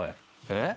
えっ？